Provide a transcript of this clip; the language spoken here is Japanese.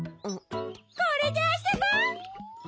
これであそぼう！